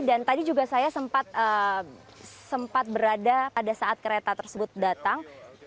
dan tadi juga saya sempat berada pada saat kereta tersebut datang